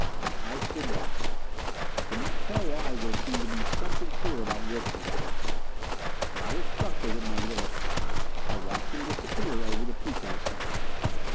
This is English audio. I stood watching. I could not tell why there seemed to be something queer about Wilks' actions. But I was struck with it, nevertheless. I watched him disappear over the peak of the summit.